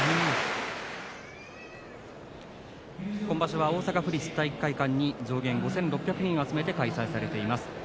今場所は大阪府立体育会館に上限５６００人を集めて開催されています。